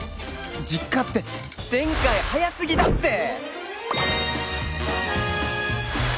実家って展開早すぎだって！